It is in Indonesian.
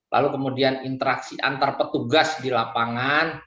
lalu kemudian interaksi antar petugas di lapangan